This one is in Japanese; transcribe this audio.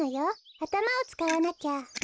あたまをつかわなきゃ。